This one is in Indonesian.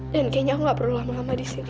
dan kayaknya aku gak perlu lama lama disini